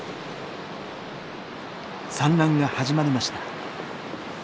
産卵が始まりました！